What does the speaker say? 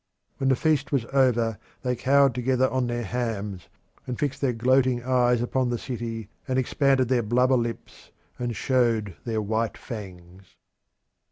When the feast was over they cowered together on their hams, and fixed their gloating eyes upon the city, and expanded their blubber lips, and showed their white fangs.